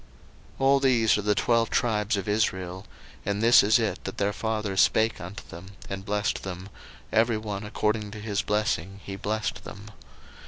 01:049:028 All these are the twelve tribes of Israel: and this is it that their father spake unto them, and blessed them; every one according to his blessing he blessed them.